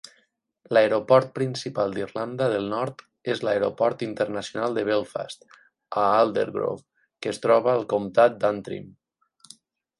L'aeroport principal d'Irlanda del Nord és l'Aeroport internacional de Belfast, a Aldergrove, que es troba al comtat d'Antrim.